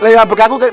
lagi abuk aku